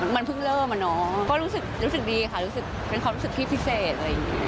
มันเพิ่งเริ่มอะเนาะก็รู้สึกดีค่ะรู้สึกเป็นความรู้สึกที่พิเศษอะไรอย่างนี้